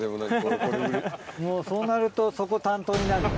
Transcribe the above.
もうそうなるとそこ担当になるよ。